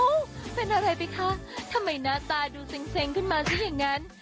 เป็นอะไรไปคะทำไมหน้าตาดูเซ็งขึ้นมาซะอย่างนั้น